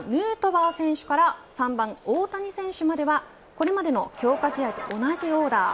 ヌートバー選手から３番大谷選手まではこれまでの強化試合と同じオーダー。